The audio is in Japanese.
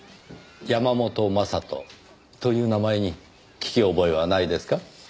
山本将人という名前に聞き覚えはないですか？